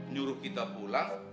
nyuruh kita pulang